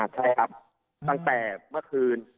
ใช่ครับตั้งแต่เมื่อคืน